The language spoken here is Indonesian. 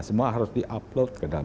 semua harus di upload ke dalam